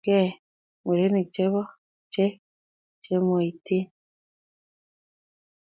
nyoluu kokirgei murenik che chemoitin